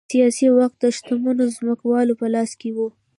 سیاسي واک د شتمنو ځمکوالو په لاس کې و.